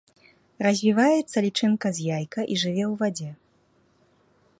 Развіваецца лічынка з яйка і жыве ў вадзе.